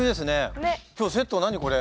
今日セット何これ？